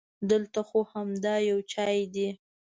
دلته خو همدا یو چای دی.